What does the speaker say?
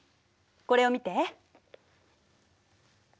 これを見て。